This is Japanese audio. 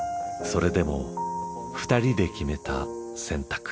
それでも２人で決めた選択。